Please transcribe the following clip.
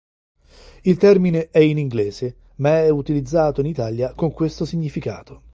Il termine è in inglese, ma è utilizzato in Italia con questo significato.